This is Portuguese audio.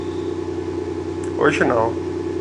Hoje não.